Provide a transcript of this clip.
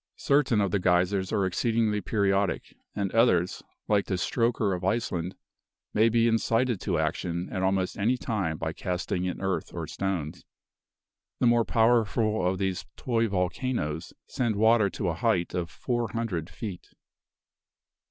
Certain of the geysers are exceedingly periodic; and others, like the Strokr of Iceland, may be incited to action at almost any time by casting in earth or stones. The more powerful of these "toy volcanoes" send water to a height of four hundred feet.